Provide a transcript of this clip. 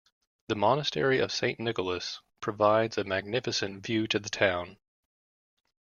The monastery of Saint Nicolas provides a magnificent view to the town.